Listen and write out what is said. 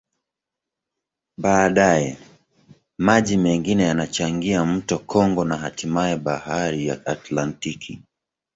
Baadaye, maji mengine yanachangia mto Kongo na hatimaye Bahari ya Atlantiki.